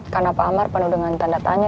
karena pak amar penuh dengan tanda tanya